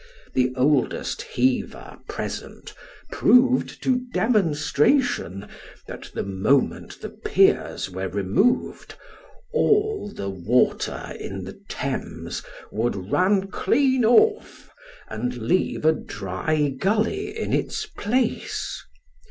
The oldest heaver present proved to demonstration, that the moment the piers were removed, all the water in the Thames would run clean off, and leave a dry gully in its place.